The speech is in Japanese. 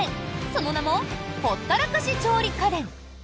その名もほったらかし調理家電。